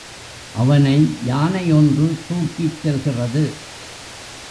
அவனை யானை ஒன்று தூக்கிச் செல்கிறது.